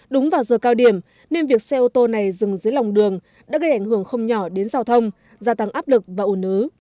đúng vào giờ cao điểm nên việc xe ô tô này dừng dưới lòng đường đã gây ảnh hưởng không nhỏ đến giao thông gia tăng áp lực và ủ nứ